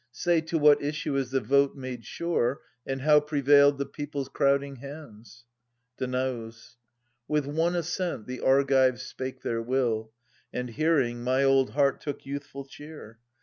Say, to what issue is the vote made sure, And how prevailed the people's crowding hands ? Danaus. With one assent the Argives spake their will, And, hearing, my old heart took youthful cheer.